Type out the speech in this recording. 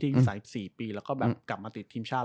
ที่สายสี่ปีแล้วก็กลับมาติดทีมชาติ